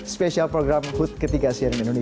spesial program hood ketiga siaran indonesia